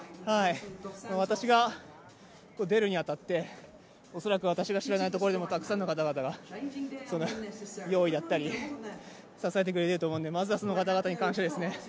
私が出るに当たって、恐らく私が知らないところでもたくさんの方々が用意だったり、支えてくれていると思うのでまずはその方々に感謝ですね。